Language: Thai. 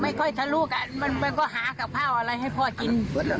ไม่ค่อยทะเลาะกันมันก็หากับข้าวอะไรให้พ่อกิน